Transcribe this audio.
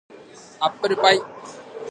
アップルパイ